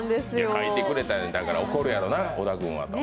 描いてくれたんや、怒るやろな、小田君はと。